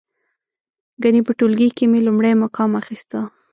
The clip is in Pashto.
ګنې په ټولګي کې مې لومړی مقام اخسته.